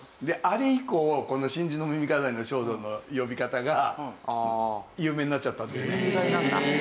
あれ以降この『真珠の耳飾りの少女』の呼び方が有名になっちゃったっていうね。